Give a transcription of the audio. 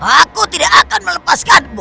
aku tidak akan melepaskanmu